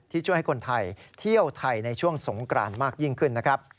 ที่ช่วยให้คนไทยเที่ยวไทยในช่วงศพงศ์กรรณมากยิ่งขึ้น